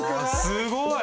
すごい！